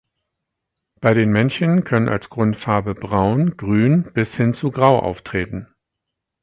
Bei den Männchen können als Grundfarbe Braun, Grün, bis hin zu Grau auftreten.